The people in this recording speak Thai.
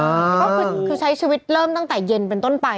ก็คือใช้ชีวิตเริ่มตั้งแต่เย็นเป็นต้นไป